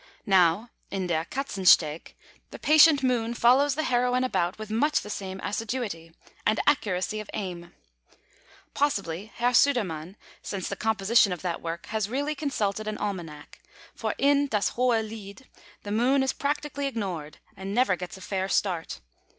Now in Der Katzensteg, the patient Moon follows the heroine about with much the same assiduity, and accuracy of aim. Possibly Herr Sudermann, since the composition of that work, has really consulted an almanac; for in Das hohe Lied, the Moon is practically ignored, and never gets a fair start.